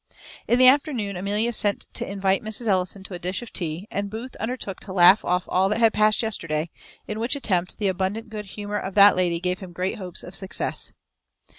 In the afternoon Amelia sent to invite Mrs. Ellison to a dish of tea; and Booth undertook to laugh off all that had passed yesterday, in which attempt the abundant good humour of that lady gave him great hopes of success.